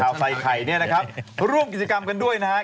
ใส่ไข่เนี่ยนะครับร่วมกิจกรรมกันด้วยนะฮะ